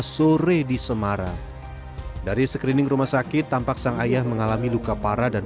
sore di semarang dari screening rumah sakit tampak sang ayah mengalami luka parah dan